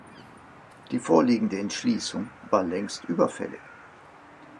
Die vorliegende Entschließung war längst überfällig.